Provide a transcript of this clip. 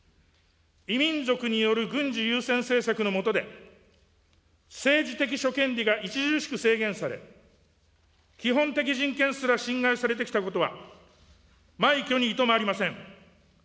異民族による軍事優先政策の下で、政治的諸権利が著しく制限され、基本的人権すら侵害されてきたことは、枚挙にいとまがありません。